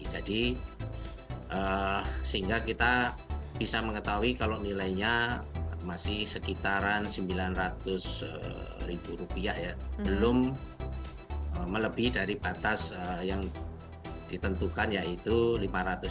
jadi sehingga kita bisa mengetahui kalau nilainya masih sekitaran sembilan ratus ribu rupiah ya belum melebih dari batas yang ditentukan yaitu lima ratus ribu